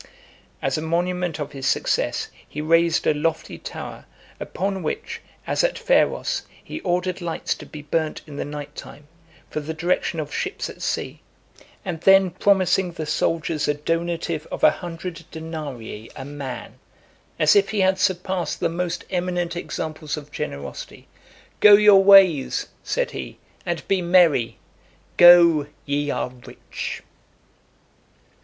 As a monument of his success, he raised a lofty tower, upon which, as at Pharos , he ordered lights to be burnt in the night time, for the direction of ships at sea; and then promising the soldiers a donative of a hundred denarii a man, as if he had surpassed the most eminent examples of generosity, "Go your ways," said he, "and be merry: go, ye are rich."